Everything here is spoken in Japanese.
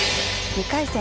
２回戦